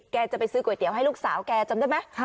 แกจะไปซื้อก๋วยเตี๋ยวให้ลูกสาวแกจำได้ไหม